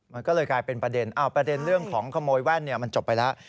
มันก็เลยกลายเป็นประเด็นประเด็นเรื่องของขโมยแว่นมันจบไปแล้ว